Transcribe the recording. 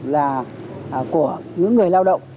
là của những người lao động